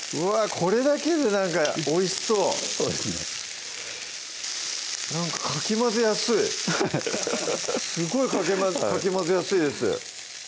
これだけでなんかおいしそうそうですねなんかかき混ぜやすいアハハハすごいかき混ぜやすいです